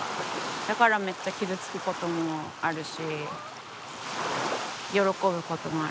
だからめっちゃ傷つくこともあるし喜ぶこともあるし。